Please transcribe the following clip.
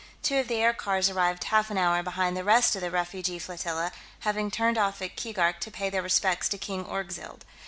Two of the aircars arrived half an hour behind the rest of the refugee flotilla, having turned off at Keegark to pay their respects to King Orgzild.